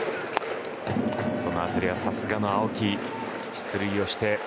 その辺りは、さすがの青木出塁して。